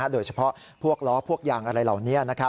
โดยเฉพาะพวกล้อพวกยางอะไรเหล่านี้